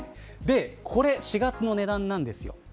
これ、４月の値段なんですよ。